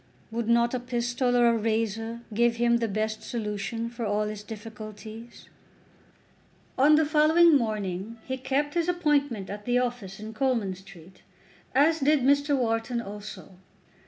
Would not a pistol or a razor give him the best solution for all his difficulties? On the following morning he kept his appointment at the office in Coleman Street, as did Mr. Wharton also.